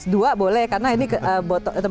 dua boleh karena ini